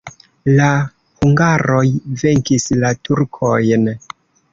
La hungaroj venkis la turkojn.